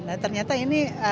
nah ternyata ini